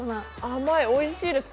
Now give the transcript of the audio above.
甘い、おいしいです。